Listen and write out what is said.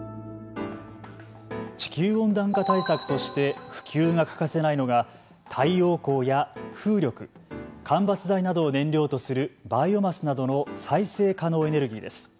地球温暖化対策として普及が欠かせないのが太陽光や風力、間伐材などを燃料とするバイオマスなどの再生可能エネルギーです。